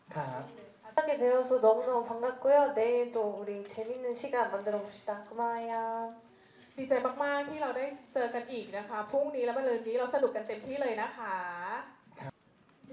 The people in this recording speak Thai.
ครับ